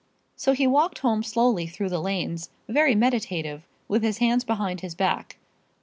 So he walked home slowly through the lanes, very meditative, with his hands behind his back.